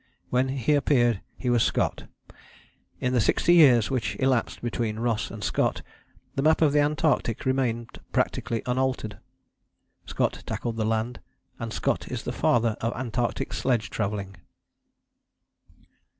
When he appeared he was Scott. In the sixty years which elapsed between Ross and Scott the map of the Antarctic remained practically unaltered. Scott tackled the land, and Scott is the Father of Antarctic sledge travelling.